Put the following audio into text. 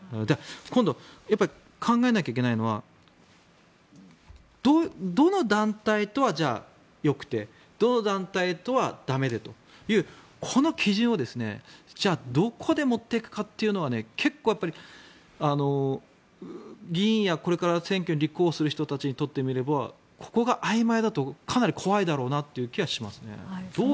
今度、考えなきゃいけないのはどの団体とはじゃあ、よくてどの団体とは駄目でというこの基準をじゃあどこで持っていくかというのは結構、議員やこれから選挙に立候補する人たちにとってみればここがあいまいだとかなり怖いだろうなという気はしますね。